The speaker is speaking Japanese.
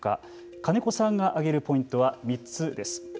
金子さんが挙げるポイントは３つです。